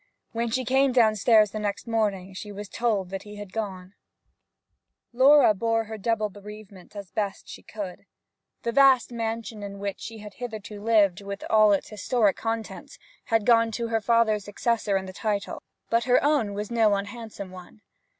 When she came downstairs the next morning she was told that he had gone. Laura bore her double bereavement as best she could. The vast mansion in which she had hitherto lived, with all its historic contents, had gone to her father's successor in the title; but her own was no unhandsome one.